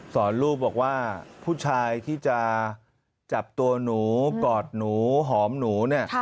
สอนลูกบอกว่าผู้ชายที่จะจับตัวหนูกอดหนูหอมหนูเนี่ย